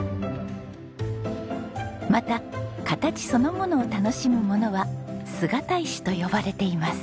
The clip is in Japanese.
また形そのものを楽しむものは姿石と呼ばれています。